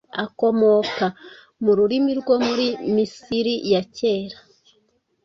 akomoka mu rurimi rwo muri Misiri ya kera,